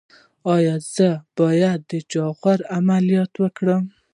ایا زه باید د جاغور عملیات وکړم؟